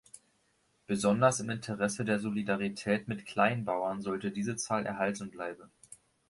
Besonders im Interesse der Solidarität mit Kleinbauern sollte diese Zahl erhalten bleiben.